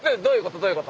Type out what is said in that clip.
どういうこと？